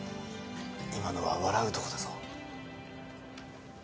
今のは笑うとこだぞ。